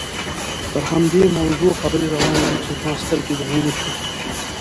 پر همدې موضوع خبرې روانې وې چې زما سترګې درنې شوې.